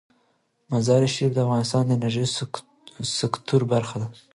مزارشریف د افغانستان د انرژۍ سکتور برخه ده.